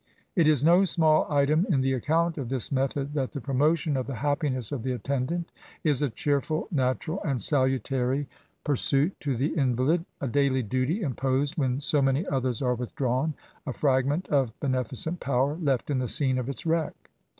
It is no small item in the account of this method, that the promotion of the happiness of the attendant is a cheerful, natural, and salutary pur SYMPATHY TO THE INVALID. 36 suit to the invalid ; a daily duty imposed when so many others are withdrawn ; a fragment of bene ficent power left in the scene of its wreck.